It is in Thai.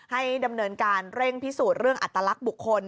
ให้ดำเนินการเร่งพิสูจน์เรื่องอัตลักษณ์บุคคล